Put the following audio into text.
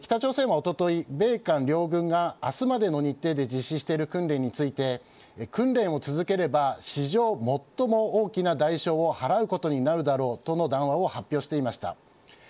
北朝鮮は、おととい米韓両軍が明日までの日程で実施している訓練について訓練を続ければ史上最も大きな代償を払うことになるだろうとの談話を発表していました。